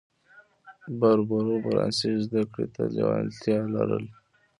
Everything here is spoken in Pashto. بربرو فرانسې زده کړې ته لېوالتیا لرله.